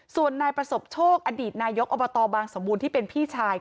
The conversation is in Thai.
ส่วนนายประสบโชคอดีตนายกอบตบางสมบูรณ์ที่เป็นพี่ชาย